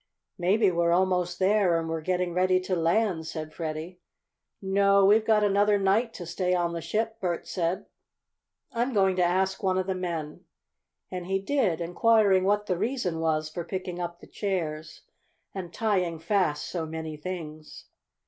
"Maybe we're almost there, and we're getting ready to land," said Freddie. "No, we've got another night to stay on the ship," Bert said. "I'm going to ask one of the men." And he did, inquiring what the reason was for picking up the chairs and tying fast so many things.